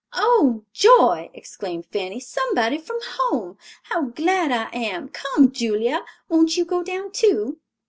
"Oh, joy!" exclaimed Fanny, "somebody from home; how glad I am. Come, Julia, won't you go down, too?"